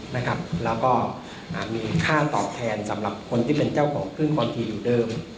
แล้วก็มีค่าตอบแทนสำหรับคนที่เป็นเจ้าของขึ้นคอนทีอยู่เดิม